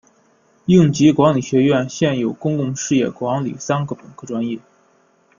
应急管理学院现有公共事业管理三个本科专业。